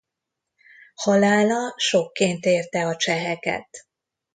Halála sokként érte a cseheket.